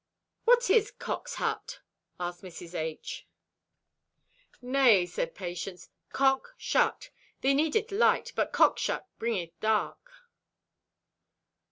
"What is cock's hut?" asked Mrs. H. "Nay," said Patience, "Cock shut. Thee needeth light, but cockshut bringeth dark."